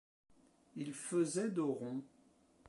Il faisait dos rond.